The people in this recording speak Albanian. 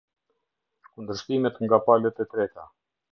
Kundërshtimet nga palët e treta.